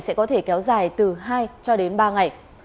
sẽ có thể kéo dài từ hai ba ngày